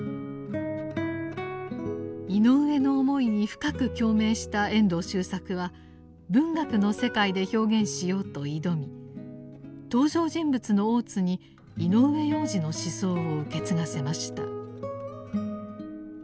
井上の思いに深く共鳴した遠藤周作は文学の世界で表現しようと挑み登場人物の大津に井上洋治の思想を受け継がせました。